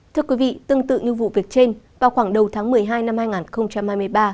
thưa quý vị tương tự như vụ việc trên vào khoảng đầu tháng một mươi hai năm hai nghìn hai mươi ba